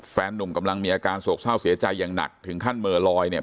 นุ่มกำลังมีอาการโศกเศร้าเสียใจอย่างหนักถึงขั้นเมอลอยเนี่ย